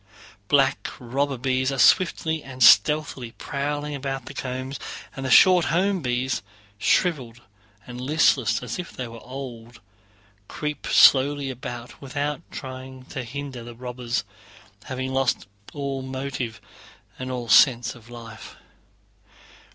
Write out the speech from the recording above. Black robber bees are swiftly and stealthily prowling about the combs, and the short home bees, shriveled and listless as if they were old, creep slowly about without trying to hinder the robbers, having lost all motive and all sense of life.